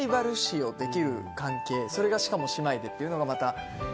それがしかも姉妹でっていうのがまた。